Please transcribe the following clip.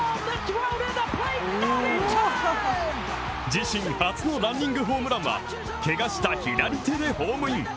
自身初のランニングホームランはけがした左手でホームイン！